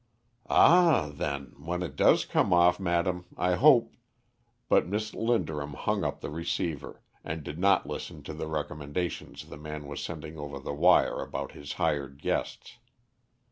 "Ah, then, when it does come off, madam, I hope " But Miss Linderham hung up the receiver, and did not listen to the recommendations the man was sending over the wire about his hired guests.